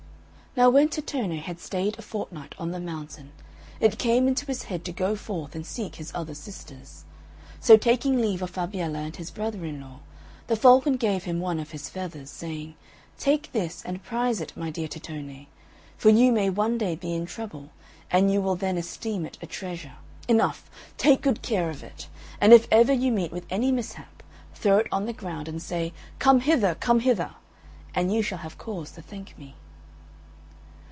Now when Tittone had stayed a fortnight on the mountain, it came into his head to go forth and seek his other sisters. So taking leave of Fabiella and his brother in law, the Falcon gave him one of his feathers, saying, "Take this and prize it, my dear Tittone; for you may one day be in trouble, and you will then esteem it a treasure. Enough take good care of it; and if ever you meet with any mishap, throw it on the ground, and say, Come hither, come hither!' and you shall have cause to thank me."